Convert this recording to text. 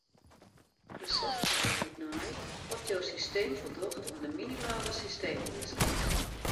De software giet nei oft jo systeem foldocht oan de minimale systeemeasken.